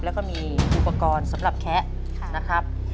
แล้วก็มีอุปกรณ์สำหรับแคะนะครับ